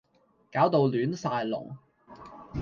搞到亂晒龍